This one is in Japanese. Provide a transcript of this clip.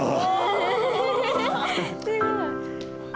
すごい。